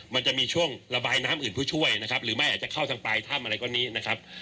มันจะมีช่วงระบายน้ำอื่นเพื่อช่วยนะครับหรือไม่อาจจะเข้าทางปลายถ้ำอะไรก็นี้นะครับ